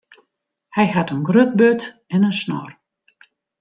Hy hat in grut burd en in snor.